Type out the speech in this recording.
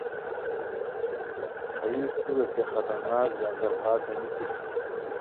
ہیی کورہ کیہ خطرناک ژاندارہا تھے نِکی؟